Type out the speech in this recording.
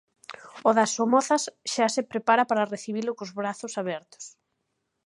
O das Somozas xa se prepara para recibilo cos brazos abertos.